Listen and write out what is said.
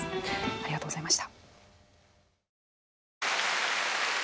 ありがとうございます。